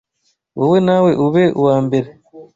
Wowe, nawe ube uwambere